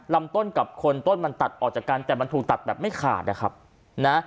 ลำต้นกับคนต้นมันตัดออกจากกันแต่มันถูกตัดแบบไม่ขาดนะครับนะ